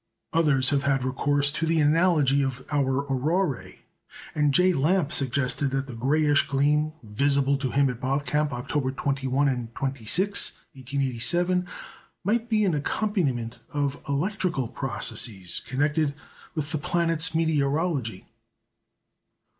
Others have had recourse to the analogy of our auroræ, and J. Lamp suggested that the grayish gleam, visible to him at Bothkamp, October 21 and 26, 1887, might be an accompaniment of electrical processes connected with the planet's meteorology.